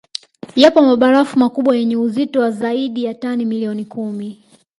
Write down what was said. Yapo mabarafu makubwa yenye uzito wa zaidi ya tani milioni kumi